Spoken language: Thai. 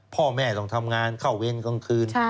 พ่อแม่ต้องทำงานเข้าเวรกลางคืน